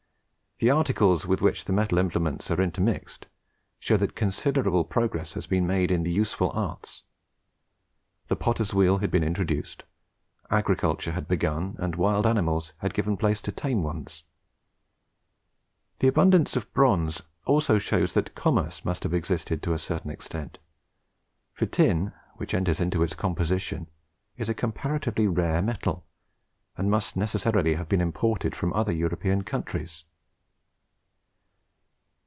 The articles with which the metal implements are intermixed, show that considerable progress had been made in the useful arts. The potter's wheel had been introduced. Agriculture had begun, and wild animals had given place to tame ones. The abundance of bronze also shows that commerce must have existed to a certain extent; for tin, which enters into its composition, is a comparatively rare metal, and must necessarily have been imported from other European countries.